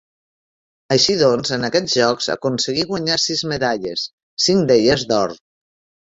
Així doncs, en aquests Jocs aconseguí guanyar sis medalles, cinc d'elles d'or.